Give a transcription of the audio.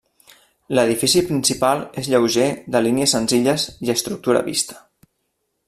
L'edifici principal és lleuger de línies senzilles i estructura vista.